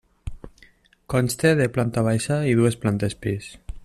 Consta de planta baixa i dues plantes pis.